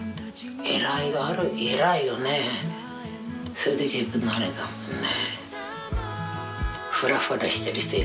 それで自分のあれだもんね。